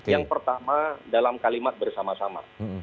yang pertama dalam kalimat bersama sama